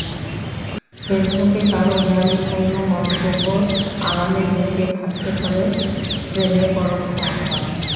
ফেসবুকে কারও হেঁয়ালিপূর্ণ মন্তব্যের আড়ালে লুকিয়ে থাকতে পারে প্রেমের পরোক্ষ আহ্বান।